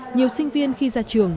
nhiều sinh viên khi ra trường